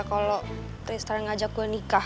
kalo tristra ngajak gue nikah